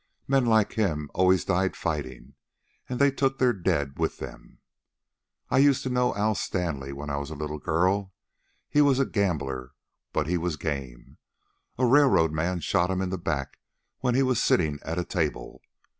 Men like him always died fighting, and they took their dead with them. I used to know Al Stanley when I was a little girl. He was a gambler, but he was game. A railroad man shot him in the back when he was sitting at a table.